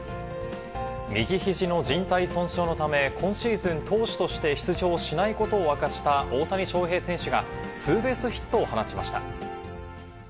右ひじのじん帯損傷のため、今シーズン投手として出場しないことを明かした大谷翔平選手が、ツーベースヒットを放ちました。